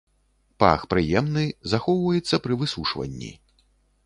Пах прыемны, захоўваецца пры высушванні.